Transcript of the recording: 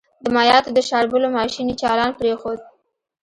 د مايعاتو د شاربلو ماشين يې چالان پرېښود.